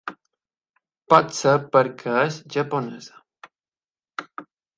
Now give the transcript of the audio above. Potser perquè és japonesa.